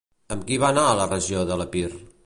Amb qui va anar a la regió de l'Epir?